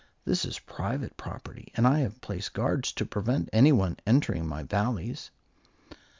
"This is private property, and I have placed guards to prevent anyone entering my Valleys."